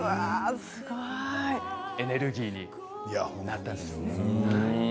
エネルギーになったんですね。